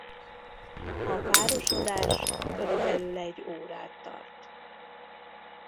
A párosodás körülbelül egy órát tart.